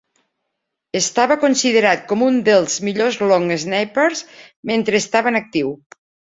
Estava considerat com a un dels millors long snappers mentre estava en actiu.